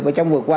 và trong vừa qua